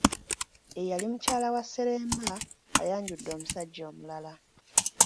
Eyali mukyala wa Sseremba ayanjudde omusajja omulala.